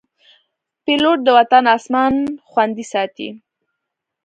پیلوټ د وطن اسمان خوندي ساتي.